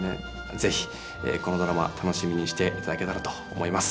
是非このドラマ楽しみにしていただけたらと思います。